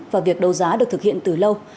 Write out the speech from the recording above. và việc đầu giá được thực hiện từ lâu